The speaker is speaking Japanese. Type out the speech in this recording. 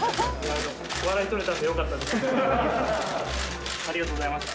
お笑い取れたんでよかったです。